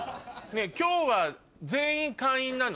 今日は全員会員なの？